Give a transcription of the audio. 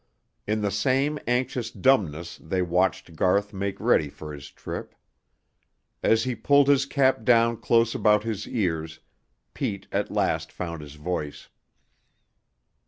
In the same anxious dumbness they watched Garth make ready for his trip. As he pulled his cap down close about his ears, Pete at last found his voice.